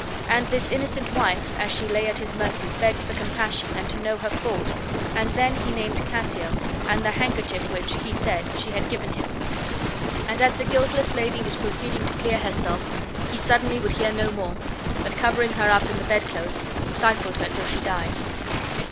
And this innocent wife, as she lay at his mercy, begged for compassion and to know her fault, and then he named Cassio, and the handkerchief which (he said) she had given him; and as the guiltless lady was proceeding to clear herself he suddenly would hear no more, but, covering her up in the bedclothes, stifled her till she died.